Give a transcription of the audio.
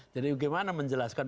jadi bagaimana menjelaskan